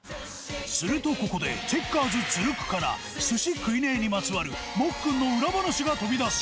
するとここでチェッカーズ鶴久から『スシ食いねェ！』にまつわるもっくんの裏話が飛び出す。